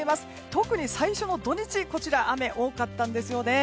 特に最初の土日雨が多かったんですよね。